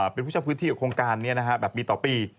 เป็นผู้เช่าพื้นที่กับโครงการนี้แบบมีต่อปี